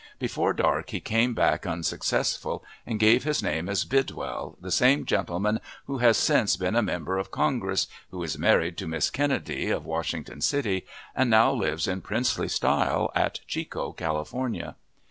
Before dark he came back unsuccessful, and gave his name as Bidwell, the same gentleman who has since been a member of Congress, who is married to Miss Kennedy, of Washington City, and now lives in princely style at Chico, California.